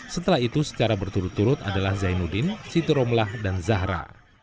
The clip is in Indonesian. setelah itu secara berturut turut adalah zainuddin siti romlah dan zahra